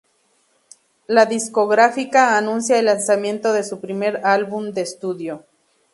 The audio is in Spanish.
La discográfica anuncia el lanzamiento de su primer álbum de estudio.